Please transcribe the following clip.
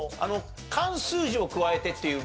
「漢数字を加えて」っていう。